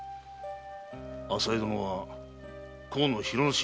あさえ殿は河野広之進